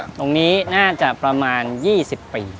ใช่ครับตรงนี้น่าจะประมาณ๒๐ปี